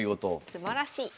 すばらしい。